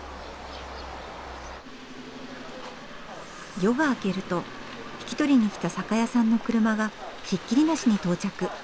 夜が明けると引き取りに来た酒屋さんの車がひっきりなしに到着。